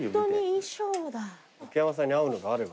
竹山さんに合うのがあれば。